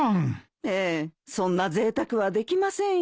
ええそんなぜいたくはできませんよ。